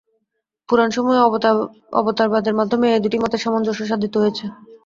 পুরাণসমূহে অবতারবাদের মাধ্যমে এই দুটি মতের সামঞ্জস্য সাধিত হয়েছে।